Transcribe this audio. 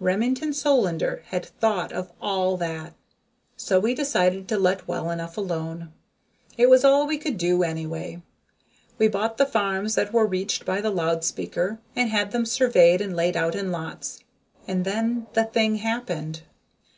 Remington Solander had thought of all that. So we decided to let well enough alone it was all we could do anyway. We bought the farms that were reached by the loud speaker and had them surveyed and laid out in lots and then the thing happened!